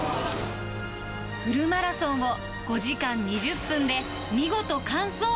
フルマラソンを５時間２０分で見事完走。